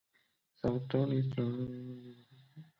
The south town line borders the Adirondack Park.